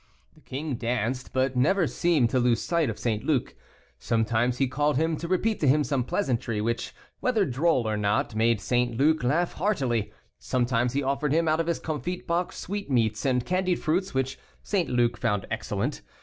The king danced, but seemed never to lose sight of St. Luc. Sometimes he called him to repeat to him some pleasantry, which, whether droll or not, made St. Luc laugh heartily. Sometimes he offered him out of his comfit box sweetmeats and candied fruits, which St. Luc found excellent.